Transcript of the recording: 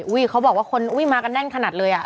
เห้ยเขาบอกว่ามากันแน่นขนาดเลยอะ